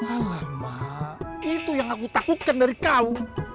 itu yang aku takutkan dari kau